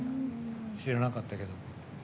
知らなかったけど。